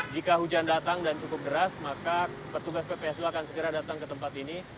jika hujan datang dan cukup deras maka petugas ppsu akan segera datang ke tempat ini